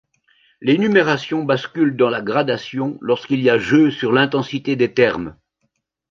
L'énumération bascule dans la gradation lorsqu'il y a jeu sur l'intensité des termes.